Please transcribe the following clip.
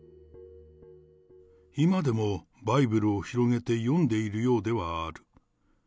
今でもバイブルを広げて読んでいるようではある。